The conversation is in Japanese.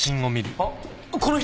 あっこの人！